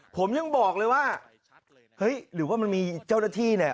ผมคุยกับดอลล์ตกับน้ำแข็งตอนกินเท้าด้วยกัน